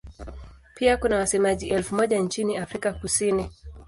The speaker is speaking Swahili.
Pia kuna wasemaji elfu moja nchini Afrika Kusini.